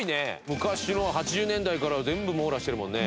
昔の８０年代から全部網羅してるもんね。